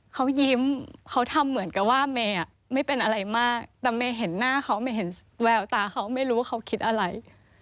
เขายิ้มเขาทำเหมือนกับว่าเมย์ไม่เป็นอะไรมากแต่เมย์เห็นหน้าเขาไม่เห็นแววตาเขาไม่รู้ว่าเขาคิดอะไร